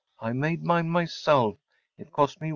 I made mine, myself. It cost me $1.